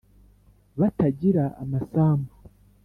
batagira amasambu